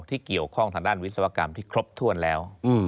ที่เกี่ยวข้องทางด้านวิศวกรรมที่ครบถ้วนแล้ว